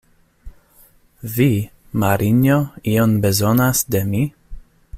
Vi, Marinjo, ion bezonas de mi?